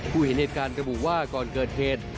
เห็นเหตุการณ์ระบุว่าก่อนเกิดเหตุ